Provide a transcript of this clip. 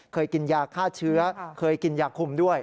เคยกินยาฆ่าเชื้อเคยกินยาคุมด้วย